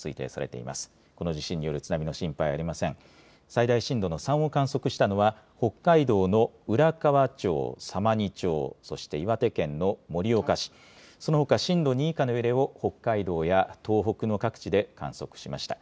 最大震度の３を観測したのは北海道の浦河町、様似町、そして岩手県の盛岡市、そのほか震度２以下の揺れを北海道や東北の各地で観測しました。